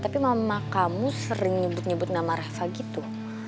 tapi mama kamu sering nyebut nyebut nama rasa gitu